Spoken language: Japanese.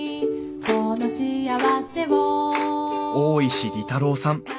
大石利太郎さん。